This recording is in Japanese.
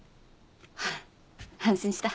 安心した。